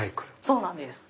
そうなんです。